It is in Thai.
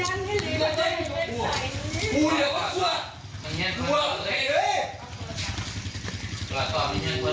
เห็นสามียังไม่เห็นไม่เห็นอย่างไร